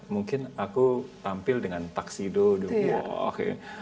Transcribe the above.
mungkin aku tampil dengan taksido dulu